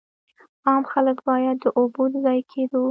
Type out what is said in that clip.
عام خلک باید د اوبو د ضایع کېدو.